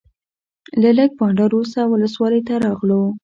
له لږ بانډار وروسته ولسوالۍ ته راغلو.